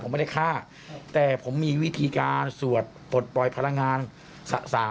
ผมไม่ได้ฆ่าแต่ผมมีวิธีการสวดปลดปล่อยพลังงานสะสาง